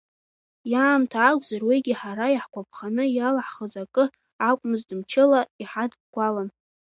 Иаамҭа акәзар, уигьы ҳара иаҳгәаԥханы иалаҳхыз акы акәмызт, мчыла иҳадгәалан.